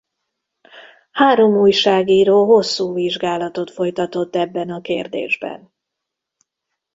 Három újságíró hosszú vizsgálatot folytatott ebben a kérdésben.